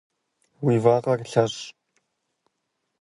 Уи вакъэр лъэщӏ.